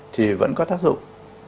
thì vẫn có tác dụng